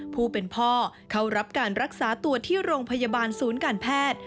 ผู้เป็นพ่อเข้ารับการรักษาตัวที่โรงพยาบาลศูนย์การแพทย์